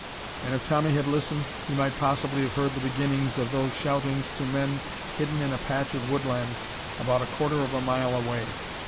And if Tommy had listened, he might possibly have heard the beginnings of those shoutings to men hidden in a patch of woodland about a quarter of a mile away.